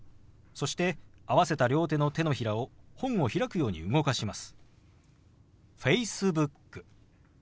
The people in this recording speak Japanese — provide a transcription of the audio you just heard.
そして合わせた両手の手のひらを本を開くように動かします。